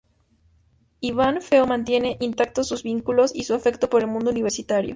Iván Feo mantiene intactos sus vínculos y su afecto por el mundo universitario.